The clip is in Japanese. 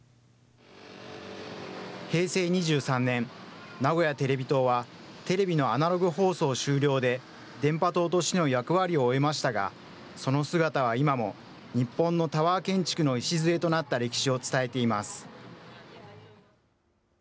平成２３年、名古屋テレビ塔は、テレビのアナログ放送終了で電波塔としての役割を終えましたが、その姿は今も、日本のタワー建築の礎となった歴史を伝えています。